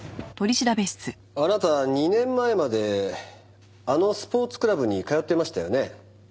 あなた２年前まであのスポーツクラブに通ってましたよね？